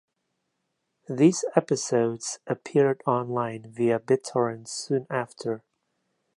These episodes appeared online via BitTorrent soon after.